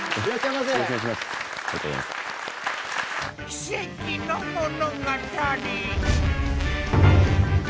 奇跡の物語